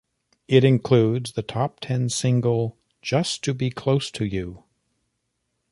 It includes the Top Ten single "Just to Be Close to You".